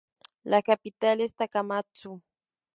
La capital es Takamatsu.